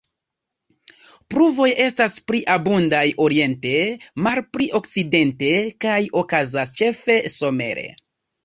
Pluvoj estas pli abundaj oriente, malpli okcidente, kaj okazas ĉefe somere.